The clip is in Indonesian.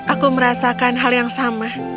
aku merasakan hal yang sama